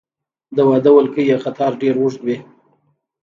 د واده ولکۍ یا قطار ډیر اوږد وي.